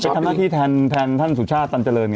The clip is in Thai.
ทำหน้าที่แทนท่านสุชาติตันเจริญ